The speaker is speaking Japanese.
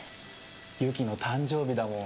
ユキの誕生日だもん